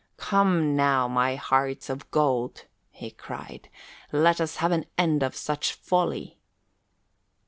"Come, now, my hearts of gold," he cried, "let us have an end of such folly.